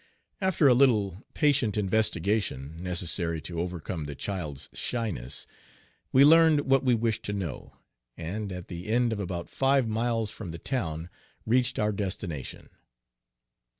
After a little patient investigation, necessary to overcome the child's shyness, we learned what we wished to know, and at the end of about five miles from the town reached our destination.